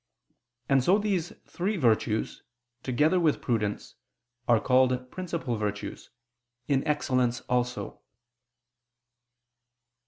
And so these three virtues, together with prudence, are called principal virtues, in excellence also.